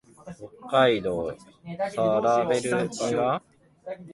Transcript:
北海道更別村